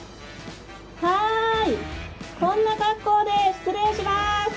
こんな格好で失礼します。